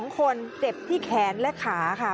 ๒คนเจ็บที่แขนและขาค่ะ